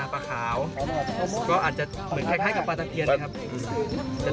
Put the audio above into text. ปลาขาวก็อาจจะเหมือนคล้ายกับปลาตะเคียนนะครับ